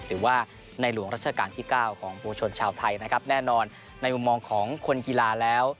หรือว่าในหลวงรัชกาลที่๙ของปวงชนชาวไทยนะครับแน่นอนในมุมมองของคนกีฬาแล้ว